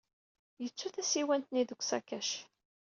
Yettu tasiwant-nni deg usakac.